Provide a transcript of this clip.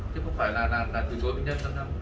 chứ không phải là từ chối bệnh nhân